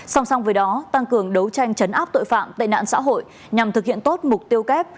song song với đó tăng cường đấu tranh chấn áp tội phạm tệ nạn xã hội nhằm thực hiện tốt mục tiêu kép